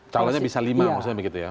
calonnya bisa lima maksudnya begitu ya